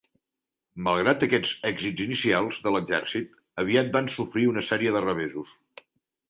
Malgrat aquests èxits inicials de l'exèrcit, aviat van sofrir una sèrie de revessos.